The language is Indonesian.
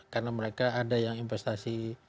karena mereka ada yang investasi